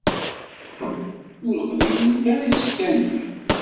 Ur qbilent ara isefka-nni.